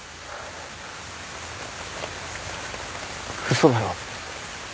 嘘だろ？